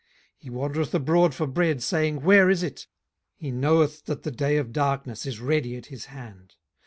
18:015:023 He wandereth abroad for bread, saying, Where is it? he knoweth that the day of darkness is ready at his hand.